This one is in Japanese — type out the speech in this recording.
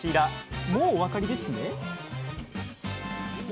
もうお分かりですね？